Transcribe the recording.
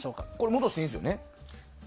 戻していいんですよね？